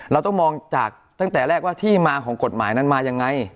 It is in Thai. เราต้องมองจากตั้งแต่แรกว่าที่มาของกฎหมายนั้นมายังไง